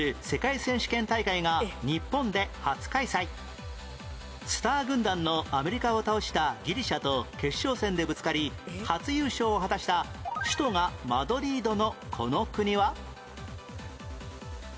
１７年前スター軍団のアメリカを倒したギリシャと決勝戦でぶつかり初優勝を果たした首都がマドリードのこの国は？